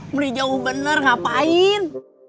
melih jauh bener ngapain